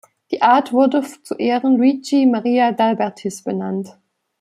Die Art wurde zu Ehren Luigi Maria d’Albertis benannt.